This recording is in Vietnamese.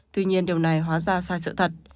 tuy nhiên điều này hóa ra sai sự thật